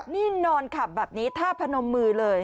นี่นอนขับแบบนี้ท่าพนมมือเลย